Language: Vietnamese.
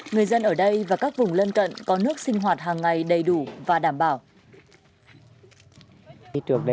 người dân ở đây và các vùng lân cận có nước sinh hoạt hàng ngày đầy đủ và đảm bảo